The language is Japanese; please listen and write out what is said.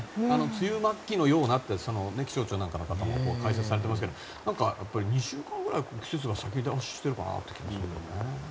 梅雨末期のようなって気象庁の方も解説されてますけど２週間くらい季節が先倒しをしてるかなって気がするよね。